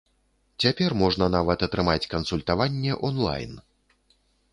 Цяпер можна нават атрымаць кансультаванне онлайн.